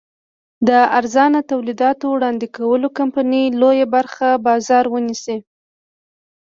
د ارزانه تولیداتو وړاندې کولو کمپنۍ لویه برخه بازار ونیسي.